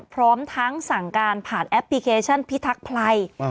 พร้อมทั้งสั่งการผ่านแอปพลิเคชันพิทักษ์ภัย